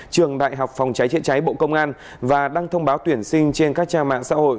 trường đại học phòng trái trễ trái bộ công an và đăng thông báo tuyển sinh trên các trang mạng xã hội